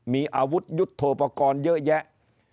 มีอาวุธยุทธโทปกรณ์เยอะแยะ